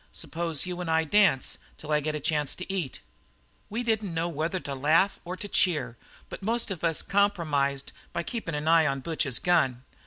Suppose you and I dance till I get a chance to eat?' "We didn't know whether to laugh or to cheer, but most of us compromised by keeping an eye on Butch's gun.